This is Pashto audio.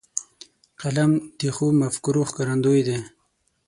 قلم د ښو مفکورو ښکارندوی دی